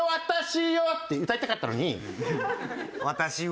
「私は」って歌いたかったのね。